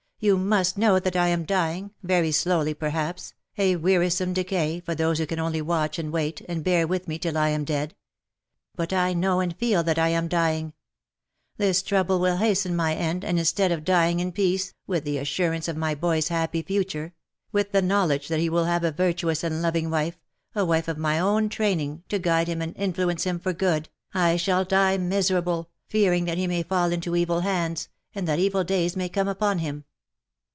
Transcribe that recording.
" You must know that I am dying — very slowly, perhaps — a wearisome decay for those who can only watch and wait, and bear with me till I am dead. But I know and feel that I am dying. This trouble will hasten my end, and instead of dying in peace, with the assurance of my boy's happy future — with the knowledge that he will have a virtuous and loving wife, a wife of my own training, to guide him and influence him for good — I shall die miserable, fearing that he may fall into LOVES YOU AS OF OLD.'' 101 evil hands^ and that evil days may come upon him.